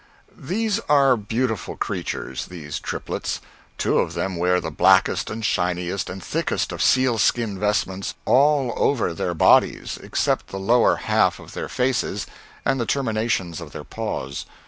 These are beautiful creatures these triplets. Two of them wear the blackest and shiniest and thickest of sealskin vestments all over their bodies except the lower half of their faces and the terminations of their paws.